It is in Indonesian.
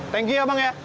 thank you ya bang ya